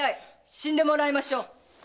死んでもらいましょう！